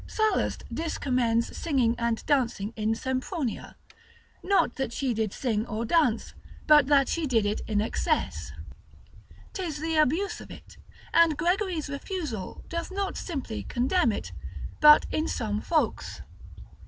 Sallust discommends singing and dancing in Sempronia, not that she did sing or dance, but that she did it in excess, 'tis the abuse of it; and Gregory's refusal doth not simply condemn it, but in some folks.